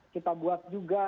kita buat juga